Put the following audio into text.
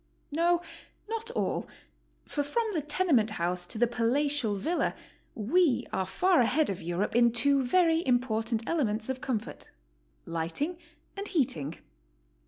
No, not all, for from the tenement house to the palatial villa we are far ahead of Europe in two very important ele ments ^*f comfort — lighting and heating.